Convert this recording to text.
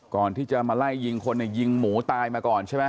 ก่อนที่จะมาไล่ยิงคนเนี่ยยิงหมูตายมาก่อนใช่ไหม